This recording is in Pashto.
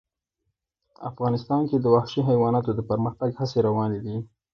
افغانستان کې د وحشي حیواناتو د پرمختګ هڅې روانې دي.